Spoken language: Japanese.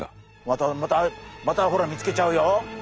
またまたまたほら見つけちゃうよ。